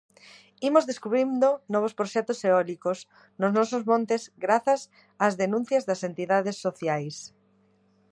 Imos descubrindo novos proxectos eólicos nos nosos montes grazas ás denuncias das entidades sociais.